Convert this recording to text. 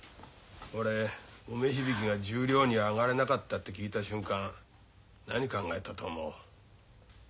俺梅響が十両に上がれなかったって聞いた瞬間何考えたと思う？